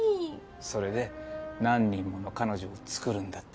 それで何人もの彼女を作るんだって。